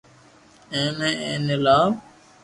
اي ني ايني لاو